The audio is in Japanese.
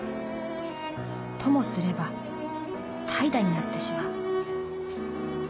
ともすれば怠惰になってしまう」。